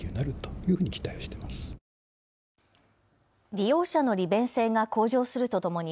利用者の利便性が向上するとともに